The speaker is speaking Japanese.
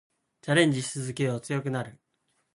チャレンジし続けよう。強くなる。